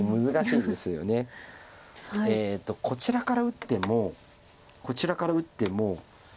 こちらから打ってもこちらから打っても。